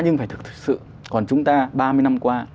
nhưng phải thực sự còn chúng ta ba mươi năm qua